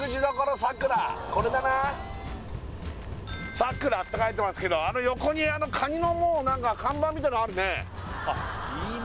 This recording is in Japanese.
「さくら」って書いてますけどあの横にあのカニのもう何か看板みたいのあるね